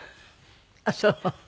ああそう。